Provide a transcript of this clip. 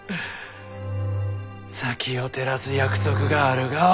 先を照らす約束があるがは。